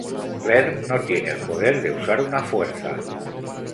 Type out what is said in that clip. Claire no tiene el poder de usar una Fuerza.